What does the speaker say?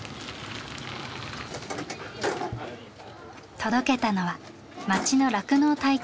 届けたのは町の酪農体験施設。